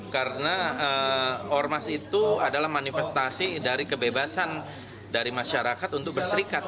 karena ormas itu adalah manifestasi dari kebebasan dari masyarakat untuk berserikat